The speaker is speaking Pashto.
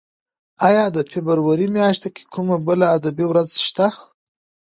ایا د فبرورۍ میاشت کې کومه بله ادبي ورځ شته؟